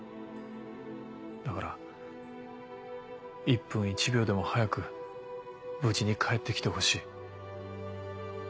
だから１分１秒でも早く無事に帰って来てほしい。